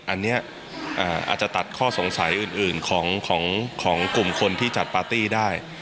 อันนี้อาจจะตัดข้อสงสัยอื่นของกลุ่มคนที่จัดปาร์ตี้ได้